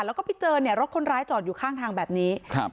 แล้วก็ไปเจอเนี่ยรถคนร้ายจอดอยู่ข้างทางแบบนี้ครับ